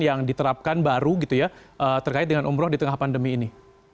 yang diterapkan baru gitu ya terkait dengan umroh di tengah pandemi ini